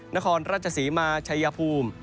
นครราชสีม่าชัยภูมย์